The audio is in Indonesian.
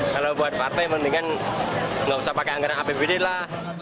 kalau buat partai mendingan nggak usah pakai anggaran apbd lah